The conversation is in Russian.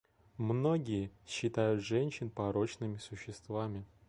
Многие считают женщин порочными существами.